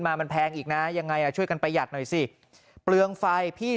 มามันแพงอีกนะยังไงอ่ะช่วยกันประหยัดหน่อยสิเปลืองไฟพี่